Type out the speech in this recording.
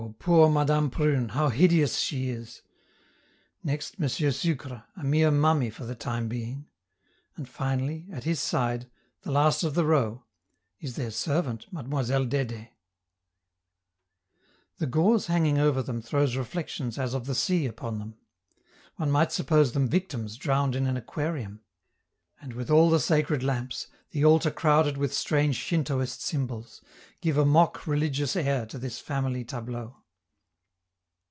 poor Madame Prune! how hideous she is!! Next, M. Sucre, a mere mummy for the time being. And finally, at his side, last of the row, is their servant, Mademoiselle Dede! The gauze hanging over them throws reflections as of the sea upon them; one might suppose them victims drowned in an aquarium. And withal the sacred lamps, the altar crowded with strange Shintoist symbols, give a mock religious air to this family tableau.